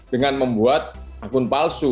dengan membuat akun palsu